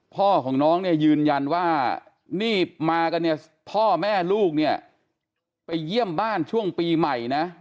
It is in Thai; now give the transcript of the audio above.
พ่อของน้องเนี่ยยืนยันว่านี่มากันเนี่ยพ่อแม่ลูกเนี่ยไปเยี่ยมบ้านช่วงปีใหม่นะ